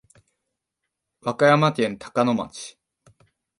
和歌山県高野町